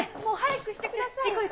もう早くしてください。